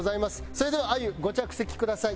それではあゆご着席ください。